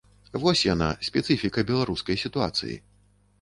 Вось яна, спецыфіка беларускай сітуацыі.